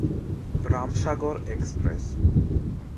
Ram Sagar express